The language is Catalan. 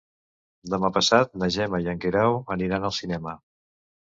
Demà passat na Gemma i en Guerau aniran al cinema.